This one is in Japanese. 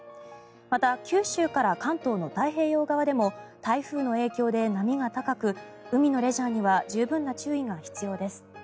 また九州から関東の太平洋側でも台風の影響で波が高く海のレジャーには十分な注意が必要です。